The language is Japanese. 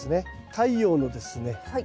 太陽のですね